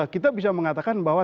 kita bisa mengatakan bahwa